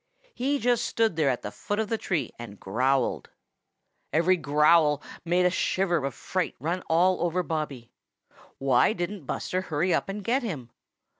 He just stood there at the foot of the tree and growled. Every growl made at shiver of fright run all over Bobby. Why didn't Buster hurry up and get him?